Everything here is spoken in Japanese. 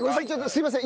すいません！